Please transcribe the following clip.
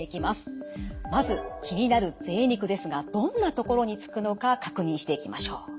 まず気になるぜい肉ですがどんなところにつくのか確認していきましょう。